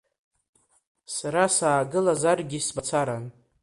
Сара саагылазаргьы смацаран.